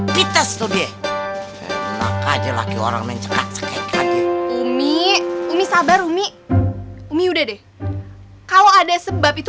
pites tuh dia laki laki orang mencegah ngegahnya umi umi sabar umi umi udah deh kalau ada sebab itu